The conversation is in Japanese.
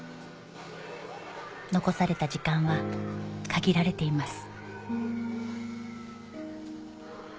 残された時間は限られています